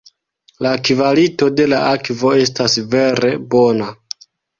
La kvalito de la akvo estas vere bona.